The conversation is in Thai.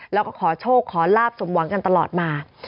แล้วก็ขอโชคขอลาบสมหวังกันตลอดมา